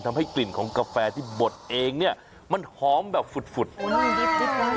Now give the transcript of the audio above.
ทำให้กลิ่นของกาแฟดิฟท์บดเองมันหอมแบบฝุ่น